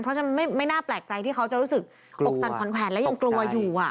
เพราะฉะนั้นไม่น่าแปลกใจที่เขาจะรู้สึกอกสั่นขวัญแขวนและยังกลัวอยู่